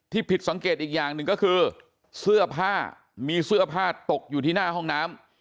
ผิดสังเกตอีกอย่างหนึ่งก็คือเสื้อผ้ามีเสื้อผ้าตกอยู่ที่หน้าห้องน้ำ